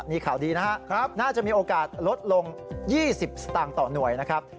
มีข่าวดีนะครับน่าจะมีโอกาสลดลง๒๐สตางค์ต่อหน่วยนะครับ